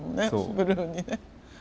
ブルーにね。